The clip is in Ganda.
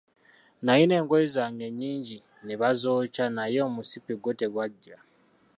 Nalina engoye zange nnyingi ne bazookya naye omusipi gwo tegwaggya.